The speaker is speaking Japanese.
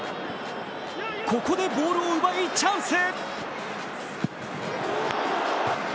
ここでボールを奪いチャンス。